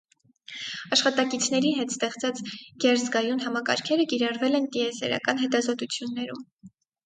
Աշխատակիցների հետ ստեղծած գերզգայուն համակարգերը կիրառվել են տիեզերական հետազոտություններում։